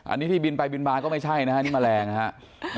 อันนี้ที่บินไปบินมาก็ไม่ใช่นะฮะนี่แมลงนะครับ